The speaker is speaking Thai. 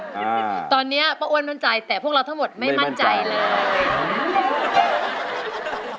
ตอนเนี้ยป้าอ้วนมั่นใจแต่พวกเราทั้งหมดไม่มั่นใจเลย